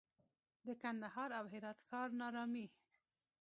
د کندهار او هرات ښار ناارامي